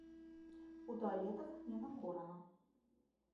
У туалетах не накурана!